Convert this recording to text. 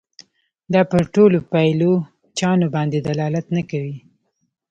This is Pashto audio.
دا پر ټولو پایلوچانو باندي دلالت نه کوي.